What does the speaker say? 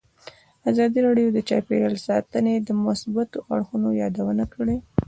ازادي راډیو د چاپیریال ساتنه د مثبتو اړخونو یادونه کړې.